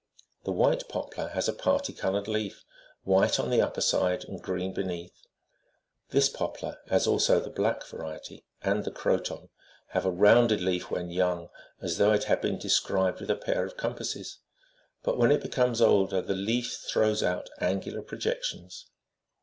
The white poplar has a* parti coloured leaf, white on the upper side and green beneath. This poplar, as also the black variety, and the croton, have a rounded leaf when young, as though it had been described with a pair of compasses, but when it becomes older the leaf throws out angular projections.